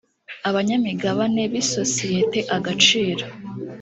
abanyamigabane b isosiyete agaciro